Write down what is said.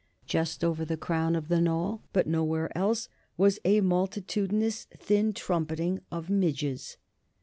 Just over the crown of the Knoll, but nowhere else, was a multitudinous thin trumpeting of midges.